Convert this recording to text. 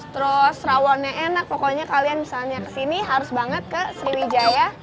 terus rawonnya enak pokoknya kalian misalnya kesini harus banget ke sriwijaya